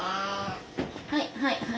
はいはいはい。